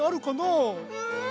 うん！